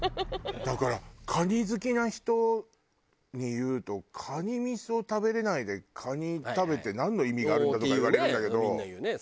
だからカニ好きな人に言うと「カニみそを食べれないでカニ食べてなんの意味があるんだ？」とか言われるんだけど。